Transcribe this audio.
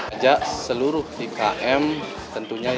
ajak seluruh umkm tentunya yang